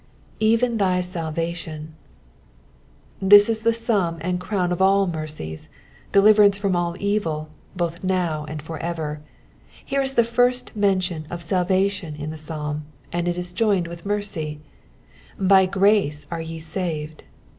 ''^Eken thy salvfttion,'*'* This is the sum and crown of all mercies — de liverance from all evil, both now and for ever. Here is the first mention of salvation in the psalm, and it is joined with mercy : ''By ^race are ye saved."